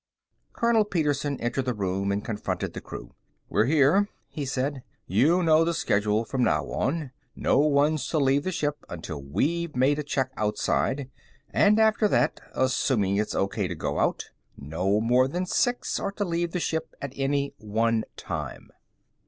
Colonel Petersen entered the room and confronted the crew. "We're here," he said. "You know the schedule from now on. No one's to leave the ship until we've made a check outside, and after that assuming it's OK to go out no more than six are to leave the ship at any one time."